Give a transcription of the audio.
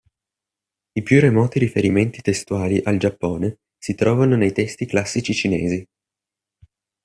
I più remoti riferimenti testuali al Giappone si trovano nei testi classici cinesi.